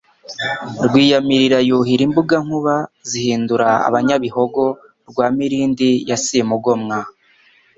Rwiyamirira yuhira imbugaInkuba zihindura abanyabihogo Rwa Mirindi ya Simugomwa